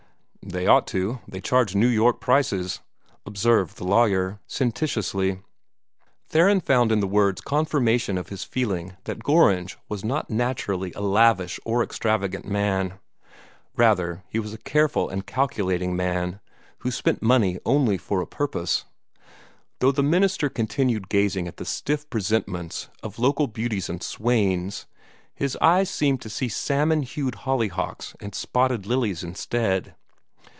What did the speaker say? "They ought to; they charge New York prices," observed the lawyer, sententiously. Theron found in the words confirmation of his feeling that Gorringe was not naturally a lavish or extravagant man. Rather was he a careful and calculating man, who spent money only for a purpose. Though the minister continued gazing at the stiff presentments of local beauties and swains, his eyes seemed to see salmon hued hollyhocks and spotted lilies instead.